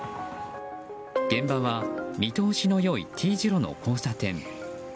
現場は見通しの良いＴ字路の交差点。